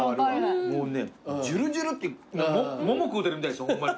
もうねじゅるじゅるって桃食うてるみたいですホンマに。